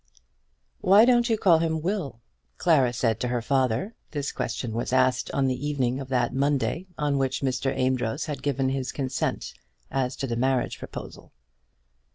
"Why don't you call him Will?" Clara said to her father. This question was asked on the evening of that Monday on which Mr. Amedroz had given his consent as to the marriage proposal.